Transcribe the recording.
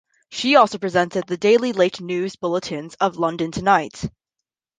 She also presented the daily late news bulletins of "London Tonight".